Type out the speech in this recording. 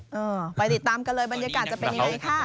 เออไปติดตามกันเลยบรรยากาศจะเป็นยังไงค่ะ